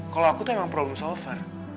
kalau aku tuh emang problem solver